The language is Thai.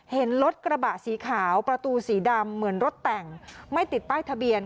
เห็นรถกระบะสีขาวประตูสีดำเหมือนรถแต่งไม่ติดป้ายทะเบียน